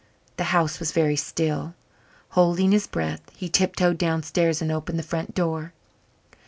The house was very still. Holding his breath, he tiptoed downstairs and opened the front door.